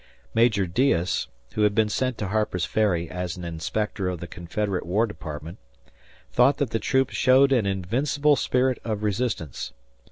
Major Deas, who had been sent to Harper's Ferry as an inspector of the Confederate War Department, thought that the troops showed an invincible spirit of resistance.